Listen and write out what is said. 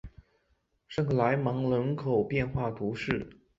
圣克莱芒人口变化图示